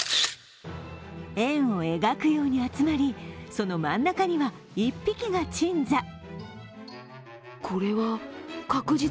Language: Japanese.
円を描くように集まり、その真ん中には１匹が鎮座。